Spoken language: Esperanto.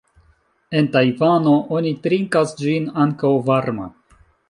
En Tajvano oni trinkas ĝin ankaŭ varma.